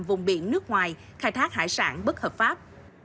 vùng biển nước ngoài khai thác hải sản bất hợp pháp